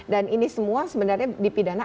dan ini semua sebenarnya dipidana